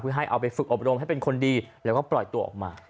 ให้เอาไปฝึกอบรมให้เป็นคนดีแล้วก็ปล่อยตัวออกมา